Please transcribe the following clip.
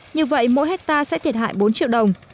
như vậy mỗi hectare sẽ thiệt hại bốn triệu đồng